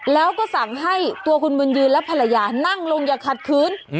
แล้วก็สั่งให้ตัวคุณบุญยืนและภรรยานั่งลงอย่าขัดขืน